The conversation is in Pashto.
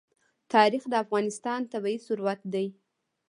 تاریخ د افغانستان طبعي ثروت دی.